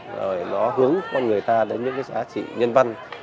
rồi nó hướng con người ta đến những cái giá trị nhân văn